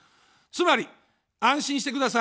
つまり、安心してください。